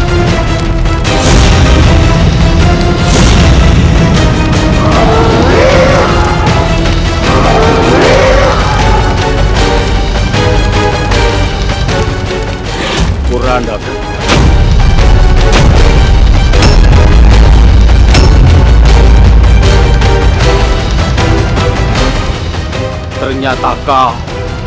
jangan biarkan dia lor